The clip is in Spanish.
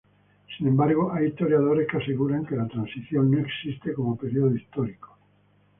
Sin embargo, hay historiadores que aseguran que la Transición no existe como período histórico.